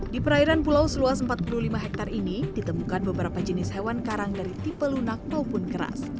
di perairan pulau seluas empat puluh lima hektare ini ditemukan beberapa jenis hewan karang dari tipe lunak maupun keras